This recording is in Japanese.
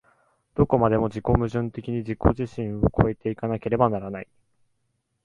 どこまでも自己矛盾的に自己自身を越え行かなければならない。